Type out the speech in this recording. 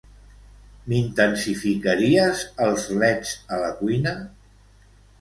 M'intensificaries els leds a la cuina?